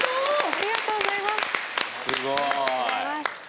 ありがとうございます。